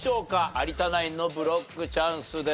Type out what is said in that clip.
有田ナインのブロックチャンスです。